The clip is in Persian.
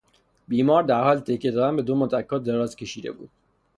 بیمار در حال تکیه دادن به دو متکا دراز کشیده بود.